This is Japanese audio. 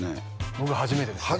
僕は初めてですね